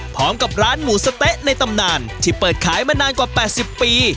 พร้อมกับร้านหมูสะเต๊ะในตำนานที่เปิดขายมานานกว่า๘๐ปี